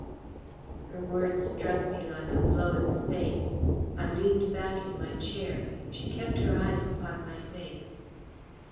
Her words struck me like a blow in the face. I leaned back in my chair. She kept her eyes upon my face.